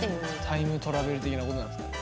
タイムトラベル的なことなんですかね。